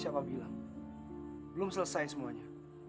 siapa bilang belum selesai semuanya